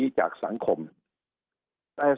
สุดท้ายก็ต้านไม่อยู่